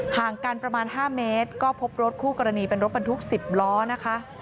ห่างกันประมาณ๕เมตรก็พบรถคู่กรณีเป็นรถบรรทุก๑๐ล้อนะคะ